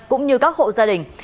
cũng như các hộ gia đình